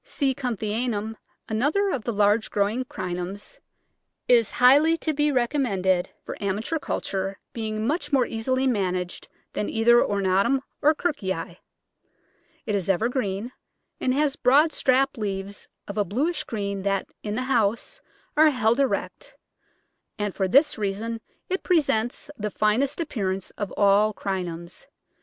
Digitized by Google 162 The Flower Garden [Chapter C. Kunthianum, another of the large growing Crinums, is highly to be recommended for amateur culture, being much more easily managed than either ornatum or Kirkii. It is evergreen, and has broad strap leaves of a bluish green that, in the house, are held erect, and for this reason it presents the finest appearance of all Crinums.